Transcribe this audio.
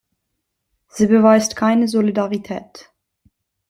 Sie beweist keine Solidarität.